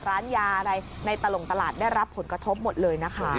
ร้านยาอะไรในตลกตลาดได้รับผลกระทบหมดเลยนะคะ